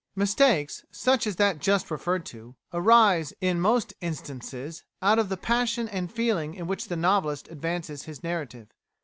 Mistakes such as that just referred to, arise, in most instances, out of the passion and feeling in which the novelist advances his narrative.